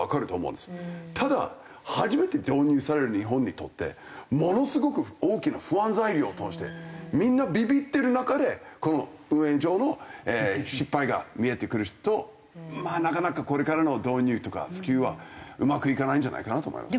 ただ初めて導入される日本にとってものすごく大きな不安材料としてみんなビビってる中で運営上の失敗が見えてくるとまあなかなかこれからの導入とか普及はうまくいかないんじゃないかなと思います。